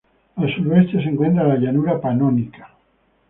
Al suroeste se encuentra la llanura panónica.